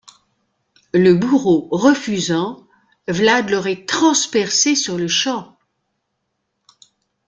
Le bourreau refusant, Vlad l'aurait transpercé sur le champ.